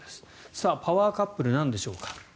さあ、パワーカップルなんでしょうか。